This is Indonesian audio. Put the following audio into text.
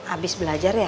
abis belajar ya